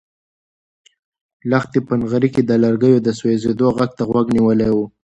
لښتې په نغري کې د لرګیو د سوزېدو غږ ته غوږ نیولی و.